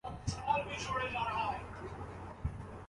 مالی سال کے پہلے ماہ میں پاکستان نے ارب ڈالر قرض لیا